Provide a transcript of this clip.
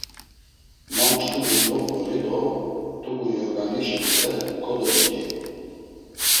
Ma mç̌ǩudi dobgori do t̆ubu yorğaniş tude kodobinciri.